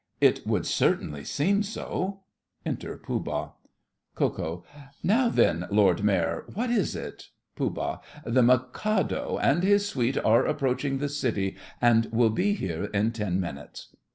It would certainly seem so! Enter Pooh Bah. KO. Now then, Lord Mayor, what is it? POOH. The Mikado and his suite are approaching the city, and will be here in ten minutes.